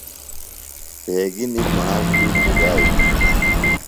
بھیگیۡ نِم مھاس بیۡ خدائی دِتوۡ۔